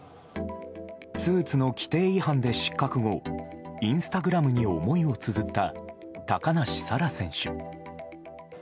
スーツの規定違反で失格後、インスタグラムに思いをつづった高梨沙羅選手。